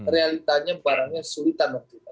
realitanya barangnya sulitan waktu itu